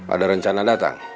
ada rencana datang